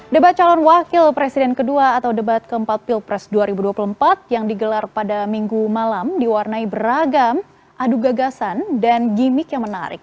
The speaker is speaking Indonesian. debat calon wakil presiden kedua atau debat keempat pilpres dua ribu dua puluh empat yang digelar pada minggu malam diwarnai beragam adu gagasan dan gimmick yang menarik